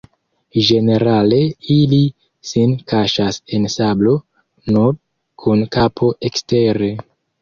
Ĝenerale ili sin kaŝas en sablo, nur kun kapo ekstere.